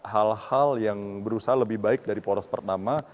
hal hal yang berusaha lebih baik dari poros pertama